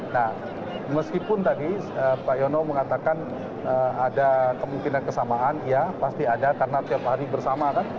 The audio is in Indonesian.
nah meskipun tadi pak yono mengatakan ada kemungkinan kesamaan ya pasti ada karena tiap hari bersama kan